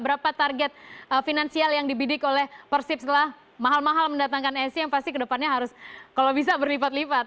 berapa target finansial yang dibidik oleh persib setelah mahal mahal mendatangkan essi yang pasti kedepannya harus kalau bisa berlipat lipat